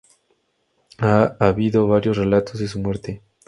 Ha habido varios relatos de su muerte.